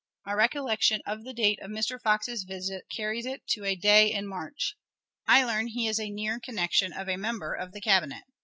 My recollection of the date of Mr. Fox's visit carries it to a day in March. I learn he is a near connection of a member of the Cabinet.